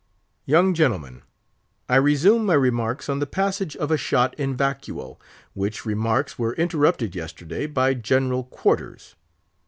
"Young gentlemen, I resume my remarks on the passage of a shot in vacuo, which remarks were interrupted yesterday by general quarters.